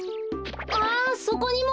あそこにも！